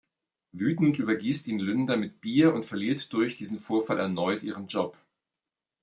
Wütend übergießt ihn Lynda mit Bier und verliert durch diesen Vorfall erneut ihren Job.